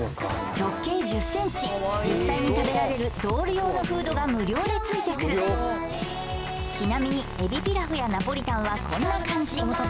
直径１０ｃｍ実際に食べられるドール用のフードが無料で付いてくるちなみにエビピラフやナポリタンはこんな感じ